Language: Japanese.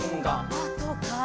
「あとから」